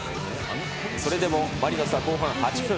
それでもマリノスは後半８分。